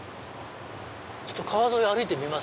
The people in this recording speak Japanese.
ちょっと川沿い歩いてみます？